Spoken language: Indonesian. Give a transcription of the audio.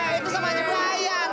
itu sama aja bayar